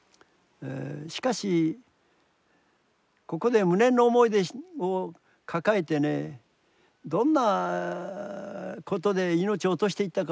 しかしここで無念の思いを抱えてねどんなことで命を落としていったか。